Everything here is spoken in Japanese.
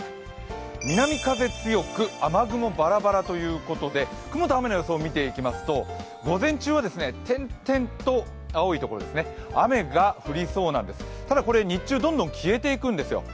南風強く、雨雲バラバラということで、雲と雨の予想を見ていきますと午前中は点々と青いところ、雨が降りそうなんです、ただこれ日中、どんどん消えていくんです。